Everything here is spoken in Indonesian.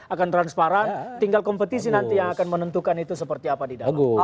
akan transparan tinggal kompetisi nanti yang akan menentukan itu seperti apa di dalam